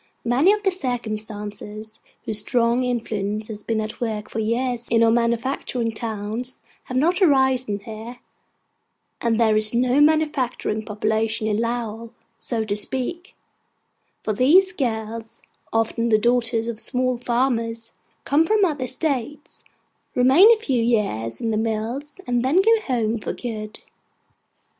Many of the circumstances whose strong influence has been at work for years in our manufacturing towns have not arisen here; and there is no manufacturing population in Lowell, so to speak: for these girls (often the daughters of small farmers) come from other States, remain a few years in the mills, and then go home for good.